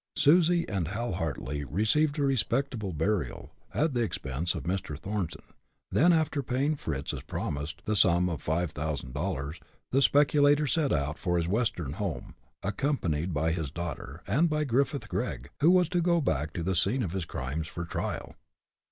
Susie and Hal Hartly received a respectable burial, at the expense of Mr. Thornton; then, after paying Fritz as promised, the sum of five thousand dollars, the speculator set out for his Western home, accompanied by his daughter, and by Griffith Gregg, who was to go back to the scene of his crimes, for trial.